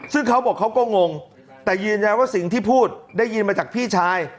ซึ่งเขาบอกเขาก็งงแต่ยืนยันว่าสิ่งที่พูดได้ยินมาจากพี่ชาย